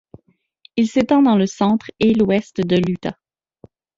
Il s'étend dans le centre et l'ouest de l'Utah.